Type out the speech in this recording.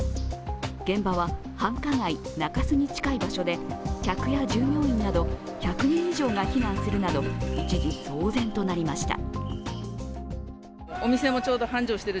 現場は繁華街・中洲に近い場所で、客や従業員など１００人以上が避難するなど一時、騒然となりました。